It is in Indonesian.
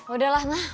udah lah mah